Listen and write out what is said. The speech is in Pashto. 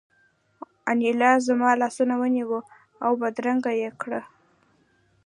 انیلا زما لاس ونیو او بدرګه یې کړم